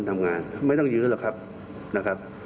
ไม่ต้องยื้อหรอกครับ